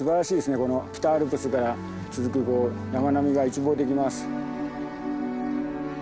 この北アルプスが続く山並みが一望できます。